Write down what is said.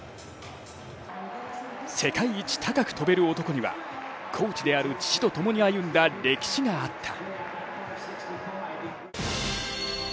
世界一高く跳べる男には、コーチである父と共に歩んだ歴史があった。